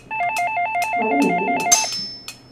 Vad är det med er?